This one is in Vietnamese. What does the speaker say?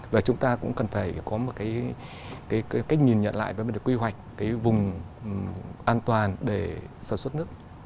và chúng ta cũng cần phải có một cái cách nhìn nhận lại về quy hoạch cái vùng an toàn để sản xuất nước